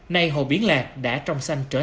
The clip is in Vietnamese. nay hồ biển lạc đã trong sanh trở lại